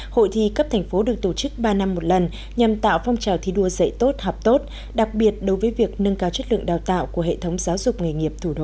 hội thi cấp thành phố được tổ chức ba năm một lần nhằm tạo phong trào thi đua dạy tốt học tốt đặc biệt đối với việc nâng cao chất lượng đào tạo của hệ thống giáo dục nghề nghiệp thủ đô